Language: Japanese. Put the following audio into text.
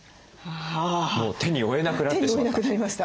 もう手に負えなくなってしまった。